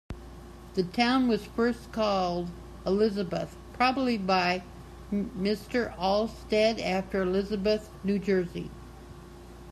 The town was first called Elizabeth, probably by Mr. Olmstead after Elizabeth, New Jersey.